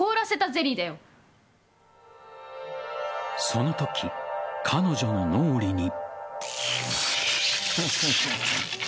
そのとき、彼女の脳裏に。